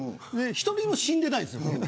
１人も死んでないんですよ。